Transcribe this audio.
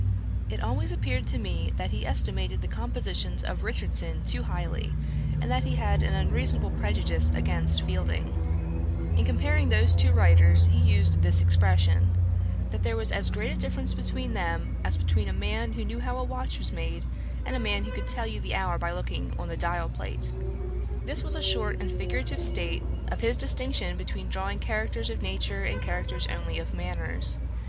It always appeared to me that he estimated the compositions of Richardson too highly, and that he had an unreasonable prejudice against Fielding. In comparing those two writers, he used this expression: 'that there was as great a difference between them as between a man who knew how a watch was made, and a man who could tell the hour by looking on the dial plate.' This was a short and figurative state of his distinction between drawing characters of nature and characters only of manners.